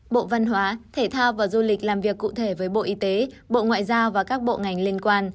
bộ văn hóa thể thao và du lịch làm việc cụ thể với bộ y tế bộ ngoại giao và các bộ ngành liên quan